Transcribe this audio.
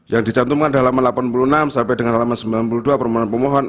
yang dicantumkan dalam delapan puluh enam sampai dengan halaman sembilan puluh dua permohonan pemohon